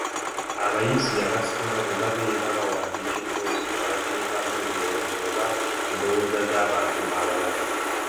Abayizi abasinga bwe babeera bawandiika emboozi nga bateekamu ebirowoozo oba endowooza z’abantu abalala.